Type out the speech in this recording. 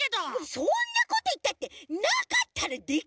そんなこといったってなかったらできないって！